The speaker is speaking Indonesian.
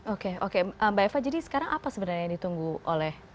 oke oke mbak eva jadi sekarang apa sebenarnya yang ditunggu oleh